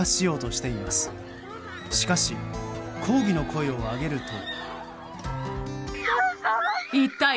しかし、抗議の声を上げると。